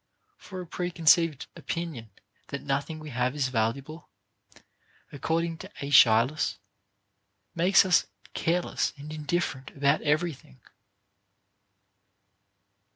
For a preconceived opinion that nothing we have is valuable (according to Aeschylus) makes us careless and indifferent about every thing.